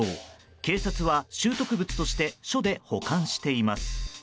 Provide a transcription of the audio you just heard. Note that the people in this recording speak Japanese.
警察は拾得物として署で保管しています。